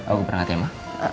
aku berangkat ya ma